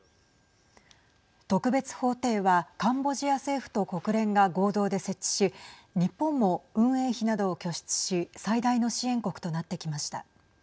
特別法廷はカンボジア政府と国連が合同で設置し日本も運営費などを拠出し最大の支援国となってきました。